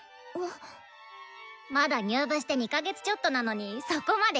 まだ入部して２か月ちょっとなのにそこまで弾けるのすごいよ！